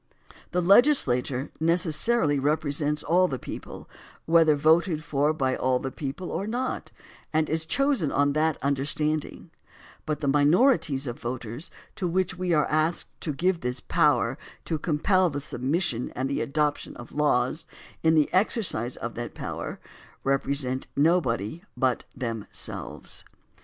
The legislature necessarily represents all the people, whether voted for by all the people or not, and is chosen on that understanding, but the minorities of voters to which we are asked to give this power to compel the submission and the adoption of laws, in the exercise of that power represent nobody but them selves.